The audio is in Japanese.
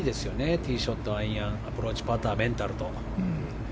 ティーショット、アイアンアプローチパター、メンタルと。